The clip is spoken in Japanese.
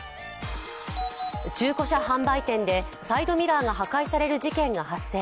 中古車販売店でサイドミラーが破壊される事件が発生。